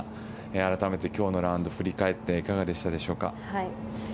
改めて今日のラウンド振り返っていかがだったでしょうか？